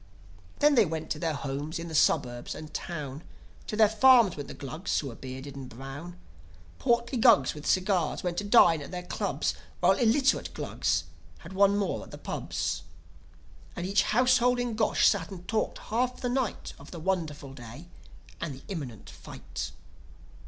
Then they went to their homes in the suburbs and town; To their farms went the Glugs who were bearded and brown. Portly Glugs with cigars went to dine at their clubs, While illiterate Glugs had one more at the pubs. And each household in Gosh sat and talked half the night Of the wonderful day, and the imminent fight.